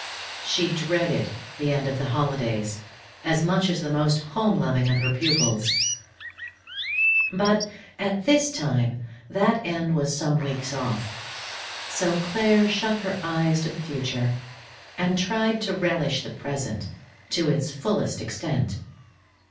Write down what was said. She dreaded the end of her holidays as much as the most home loving of her pupils. But at this time that end was some weeks off, so Clare shut her eyes to the future, and tried to relish the present to its fullest extent.